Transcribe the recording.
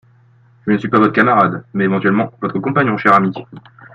Je ne suis pas votre camarade mais, éventuellement, votre compagnon, cher ami.